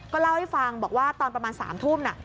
เล่าให้ฟังบอกว่าตอนประมาณ๓ทุ่ม